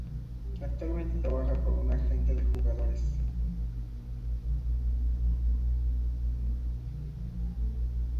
Actualmente trabaja como agente de jugadores.